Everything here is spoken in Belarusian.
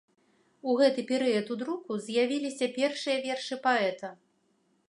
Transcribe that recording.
У гэты перыяд у друку з'явіліся першыя вершы паэта.